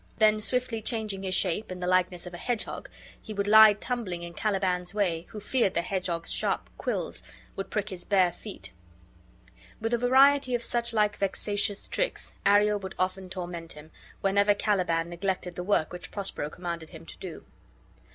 Then swiftly changing his shape, in the likeness of a hedgehog, he would lie tumbling in Caliban's way, who feared the hedgehog's sharp quills would prick his bare feet. With a variety of such like vexatious tricks Ariel would often torment him, whenever Caliban neglected the work which Prospero commanded him to do.